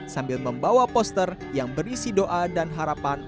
sambil membawa poster yang berisi doa dan harapan